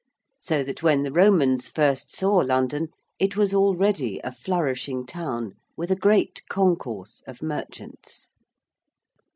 So that when the Romans first saw London it was already a flourishing town with a great concourse of merchants.